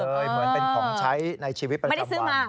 เหมือนเป็นของใช้ในชีวิตประจำวัน